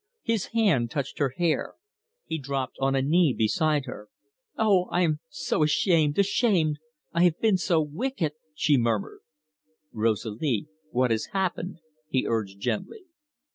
His hand touched her hair; he dropped on a knee beside her. "Oh, I am so ashamed, ashamed! I have been so wicked," she murmured. "Rosalie, what has happened?" he urged gently.